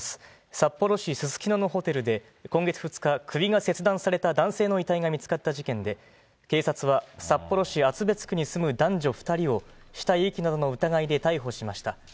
札幌市すすきののホテルで、今月２日、首が切断された男性の遺体が見つかった事件で、警察は札幌市厚別区に住む男女２人を死体遺棄などの疑いで逮捕しました。